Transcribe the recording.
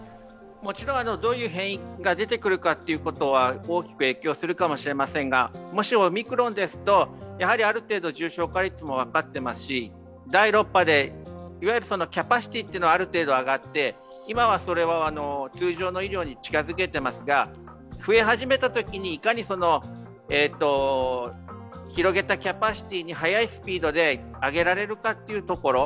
もちろんどういう変異が出てくるかということは大きく影響するかもしれませんが、もしオミクロンですとある程度重症化率も分かっていますし第６波で、いわゆるキャパシティーはある程度上がって今はそれは通常の医療に近づけていますが増え始めたときにいかに広げたキャパシティに早いスピードで上げられるかというところ。